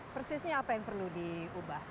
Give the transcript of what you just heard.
persisnya apa yang perlu diubah